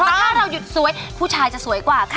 ถ้าเราหยุดสวยผู้ชายจะสวยกว่าค่ะ